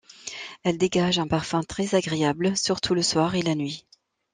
Elles dégagent un parfum très agréable, surtout le soir et la nuit.